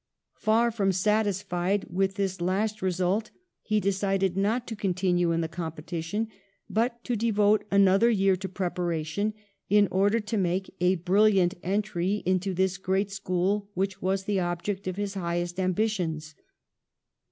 Far from satisfied with this last result, he de cided not to continue in the competition, but to devote another year to preparation, in order to make a brilliant entry into this great school which was the object of his highest ambitions.